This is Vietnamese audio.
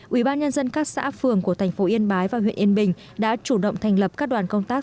ubnd các xã phường của thành phố yên bái và huyện yên bình đã chủ động thành lập các đoàn công tác